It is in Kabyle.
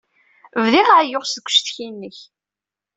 Bdiɣ ɛeyyuɣ seg uccetki-nnek.